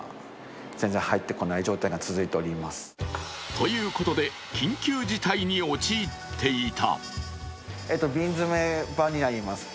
ということで緊急事態に陥っていた。